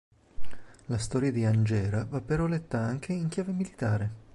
La storia di Angera va però letta anche in chiave militare.